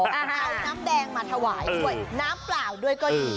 เอาน้ำแดงมาถวายด้วยน้ำเปล่าด้วยก็ดี